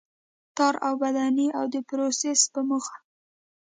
تار اوبدنې او د پروسس په موخه.